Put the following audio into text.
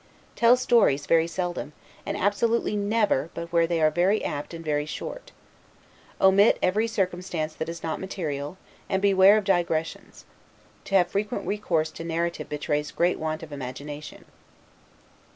Tell stories very seldom, and absolutely never but where they are very apt and very short. Omit every circumstance that is not material, and beware of digressions. To have frequent recourse to narrative betrays great want of imagination.